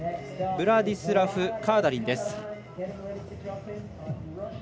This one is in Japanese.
ブラディスラフ・カーダリンです。